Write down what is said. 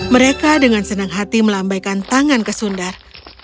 mereka dengan senang hati melambaikan tangan ke sundar